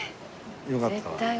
よかったら。